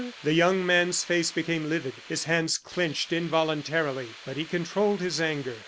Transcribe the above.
The young man's face became livid; his hands clinched involuntarily, but he controlled his anger.